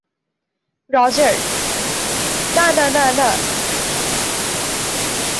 Roger, না, না, না, না!